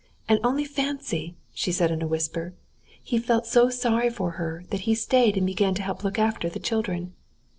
And only fancy," she said in a whisper, "he felt so sorry for her that he stayed and began to help her look after the children.